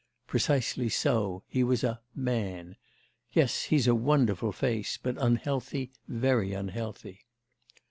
'Precisely so: he was a "man." Yes he's a wonderful face, but unhealthy, very unhealthy.